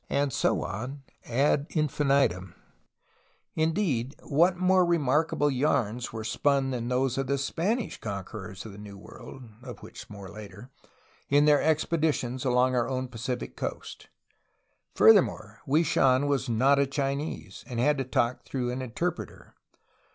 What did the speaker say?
And so on ad infini tum,— indeed what more remarkable yarns were spun than those of the Spanish conquerors of the New World (of which, later) in their expeditions along our own Pacific coast? Furthermore, Hwui Shan was not a Chinese, and had to talk through an interpreter.